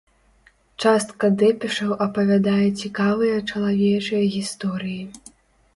Частка дэпешаў апавядае цікавыя чалавечыя гісторыі.